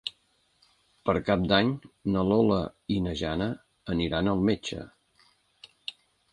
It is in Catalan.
Per Cap d'Any na Lola i na Jana aniran al metge.